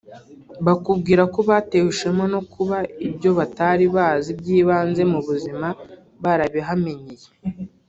bakubwira ko batewe ishema no kuba ibyo batari bazi by’ibanze mu buzima barabihamenyeye